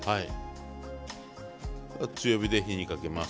強火で火にかけます。